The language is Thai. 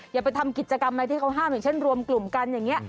อย่าไปทำกิจกรรมอะไรที่เขาห้ามอย่างเช่นรวมกลุ่มกันอย่างนี้